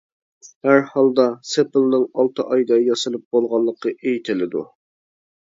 ھەر ھالدا، سېپىلنىڭ ئالتە ئايدا ياسىلىپ بولغانلىقى ئېيتىلىدۇ.